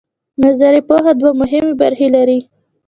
نظري پوهه دوه مهمې برخې لري.